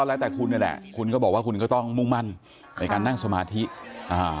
แล้วแต่คุณนี่แหละคุณก็บอกว่าคุณก็ต้องมุ่งมั่นในการนั่งสมาธิอ่า